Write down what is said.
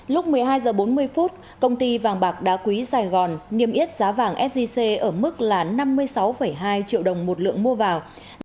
lúc một mươi hai h bốn mươi công ty vàng bạc đá quý sài gòn niêm yết giá vàng sgc ở mức là năm mươi sáu hai triệu đồng một lượng mua vào